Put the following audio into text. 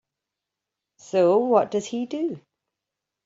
So what does he do?